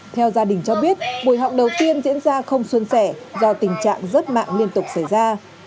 theo gia đình cho biết buổi học đầu tiên diễn ra không xuân sẻ do tình trạng rất mạng liên tục xảy ra